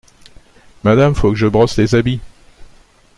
Madame, faut que je brosse les habits.